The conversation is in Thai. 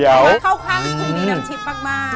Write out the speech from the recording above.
ยกเมอร์เข้าค่าให้คุณดีดับชิปมาก